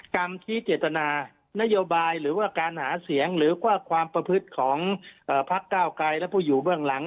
กรรมชี้เจตนานโยบายหรือว่าการหาเสียงหรือว่าความประพฤติของพักเก้าไกรและผู้อยู่เบื้องหลัง